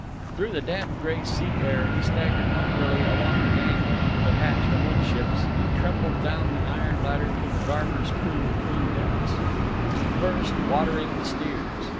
Through the damp gray sea air he staggered hungrily along the gangway to the hatch amidships, and trembled down the iron ladder to McGarver's crew 'tween decks. First, watering the steers.